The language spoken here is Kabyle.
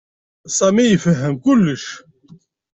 Sami ifehhem kullec.